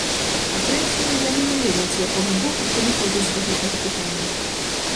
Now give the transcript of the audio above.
Па-трэцяе, яны не ведаюць з якога боку падыходзіць да гэтага пытання.